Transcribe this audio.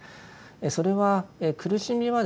それは苦しみはですね